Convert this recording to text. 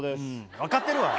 分かってるわ。